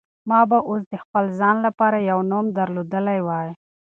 ما به اوس د خپل ځان لپاره یو نوم درلودلی وای.